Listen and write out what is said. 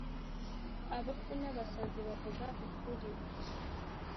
abapfu n'abasazi bavuga ukuri